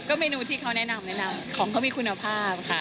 ก็เมนูที่เขาแนะนำของเขามีคุณภาพค่ะ